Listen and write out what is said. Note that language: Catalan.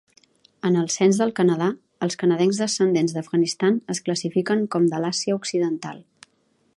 En el cens del Canadà, els canadencs descendents d'Afganistan es classifiquen com de l'Àsia Occidental.